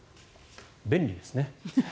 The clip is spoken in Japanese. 便利ですね。